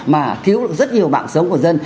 mà cứu được rất nhiều mạng sống của dân